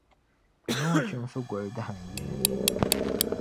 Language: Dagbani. Zuŋↄ Chimsi goli dahinyini.